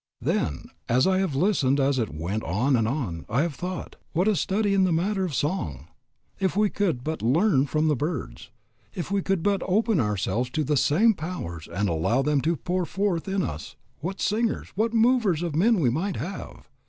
Then, as I have listened as it went on and on, I have thought. What a study in the matter of song! If we could but learn from the birds. If we could but open ourselves to the same powers and allow them to pour forth in us, what singers, what movers of men we might have!